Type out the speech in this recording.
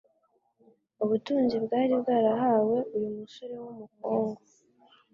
Ubutunzi bwari bwarahawe uyu musore w'umukungu